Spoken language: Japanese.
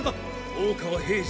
大川平次